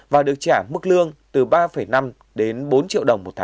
và được trả lợi